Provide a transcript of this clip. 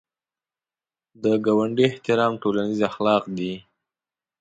د ګاونډي احترام ټولنیز اخلاق دي